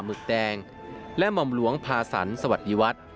หึกแดงและหม่อมหลวงพาสันสวัสดีวัฒน์